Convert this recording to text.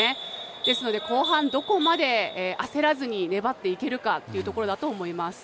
ですので後半どこまで焦らずに粘っていけるかというところだと思います。